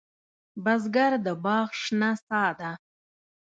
بزګر د باغ شنه سا ده